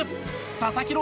佐々木朗